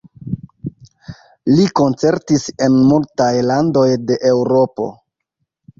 Li koncertis en multaj landoj de Eŭropo.